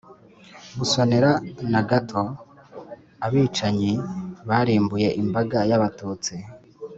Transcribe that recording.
busonera na gato abicanyi barimbuye imbaga y'abatutsi